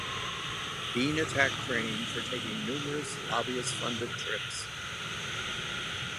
Bean attacked Crane for taking numerous lobbyist-funded trips.